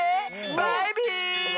バイビー！